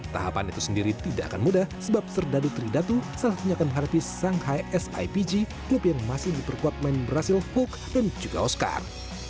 tahapan itu sendiri tidak akan mudah sebab serdadu tridatu selesai akan mengharapi shanghai sipg klub yang masih diperkuat main berhasil hulk dan juga oscar